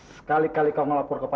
saya tidak bisa mengatakannya pak